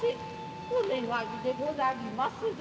お願いでござりまする。